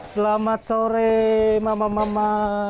selamat sore mama mama